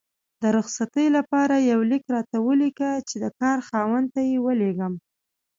د رخصتي لپاره یو لیک راته ولیکه چې د کار خاوند ته یې ولیږم